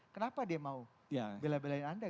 kenapa dia mau bela belain anda